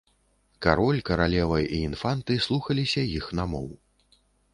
Кароль, каралева і інфанты слухаліся іх намоў.